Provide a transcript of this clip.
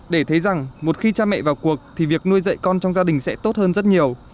để thấy rằng một khi cha mẹ vào cuộc thì việc nuôi dậy con trong gia đình sẽ tốt hơn rất nhiều